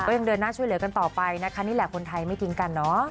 ยังเดินหน้าช่วยเหลือกันต่อไปนะคะนี่แหละคนไทยไม่ทิ้งกันเนอะ